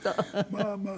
まあまあ。